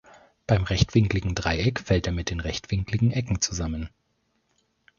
Beim rechtwinkligen Dreieck fällt er mit der rechtwinkligen Ecke zusammen.